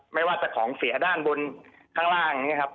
ไม่ว่าจะของเสียด้านบนข้างล่างอย่างนี้ครับ